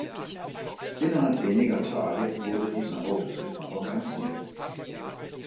Innerhalb weniger Tage wurde dieser Auftritt organisiert.